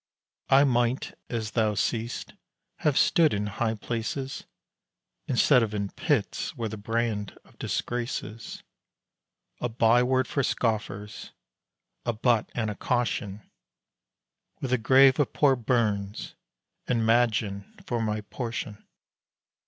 I might, as thou seest, have stood in high places, Instead of in pits where the brand of disgrace is, A byword for scoffers a butt and a caution, With the grave of poor Burns and Maginn for my portion.